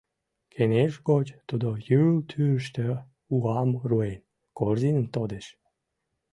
Кеҥеж гоч тудо Юл тӱрыштӧ, уам руэн, корзиным тодеш.